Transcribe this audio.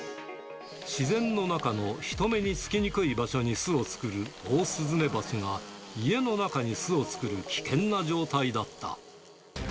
自然の中の人目につきにくい場所に巣を作るオオスズメバチが、家の中に巣を作る危険な状態だった。